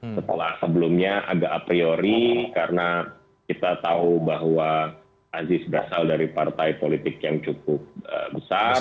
setelah sebelumnya agak a priori karena kita tahu bahwa aziz berasal dari partai politik yang cukup besar